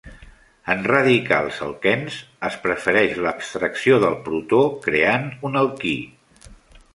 En radicals alquens, es prefereix l'abstracció del protó creant un alquí.